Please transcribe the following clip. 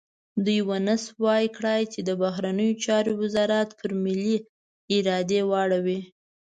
دوی ونه شو کړای چې د بهرنیو چارو وزارت پر ملي ارادې واړوي.